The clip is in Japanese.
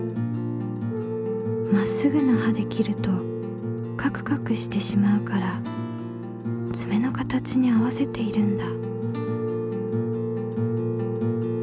まっすぐな刃で切るとカクカクしてしまうからつめのかたちに合わせているんだ。